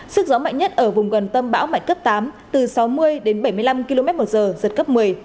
sức gió mạnh nhất ở vùng gần tâm bão mạnh cấp tám từ sáu mươi đến bảy mươi năm km một giờ giật cấp một mươi